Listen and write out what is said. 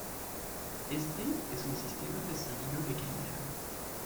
Éste es un sistema de sonido de calidad.